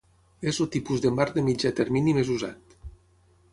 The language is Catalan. És el tipus de Marc de Mitjà Termini més usat.